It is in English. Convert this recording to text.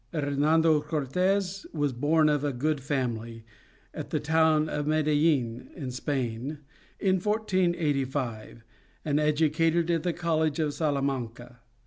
Hernando Cortes was born of a good family, at the town of Medellin in Spain, in 1485, and educated at the college of Salamanca.